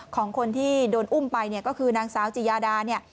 ของคนที่โดนอุ้มไปก็คือนางสาวจิยาดา